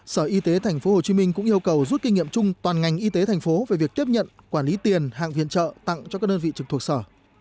sở y tế tp hcm cũng yêu cầu rút kinh nghiệm chung toàn ngành y tế tp về việc tiếp nhận quản lý tiền hạng viện trợ tặng cho các đơn vị trực thuộc sở